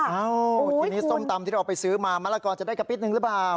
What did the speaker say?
เอ้าทีนี้ส้มตำที่เราไปซื้อมามะละกอจะได้กระปิ๊ดนึงหรือเปล่า